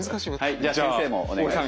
はいじゃあ先生もお願いします。